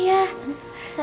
iya sudah datang